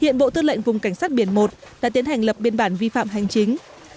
hiện bộ tư lệnh vùng cảnh sát biển một đã tiến hành lập biên bản vi phạm hành chính